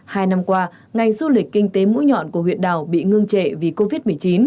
hai năm qua ngành du lịch kinh tế mũi nhọn của huyện đảo bị ngưng trệ vì covid một mươi chín